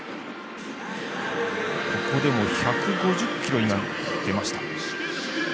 ここでも１５０キロ、出ました。